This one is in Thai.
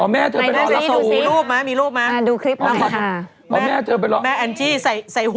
ไม่รู้ว่ามางานแล้วค่ะ